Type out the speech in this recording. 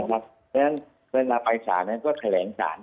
เพราะฉะนั้นเวลาไปสารนั้นก็แถลงสาร